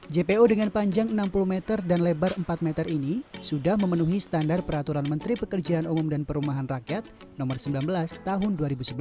jpo dengan panjang enam puluh meter dan lebar empat meter ini sudah memenuhi standar peraturan menteri pekerjaan umum dan perumahan rakyat nomor sembilan belas tahun dua ribu sebelas